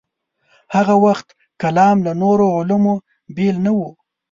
هاغه وخت کلام له نورو علومو بېل نه و.